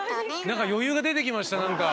何か余裕が出てきました何か。